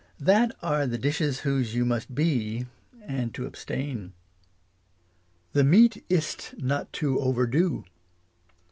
That are the dishes whose you must be and to abstain. This meat ist not too over do.